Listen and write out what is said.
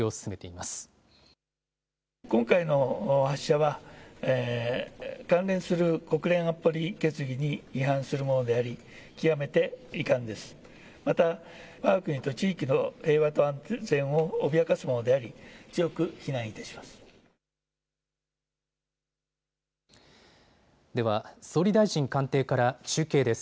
また、わが国と地域の平和と安全を脅かすものであり、強く非難いたします。